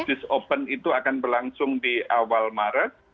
business open itu akan berlangsung di awal maret